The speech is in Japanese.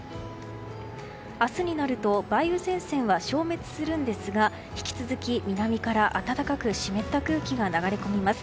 明日になると、梅雨前線は消滅するんですが引き続き、南から暖かく湿った空気が流れ込みます。